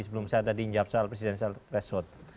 sebelum saya tadi njab soal presidensial threshold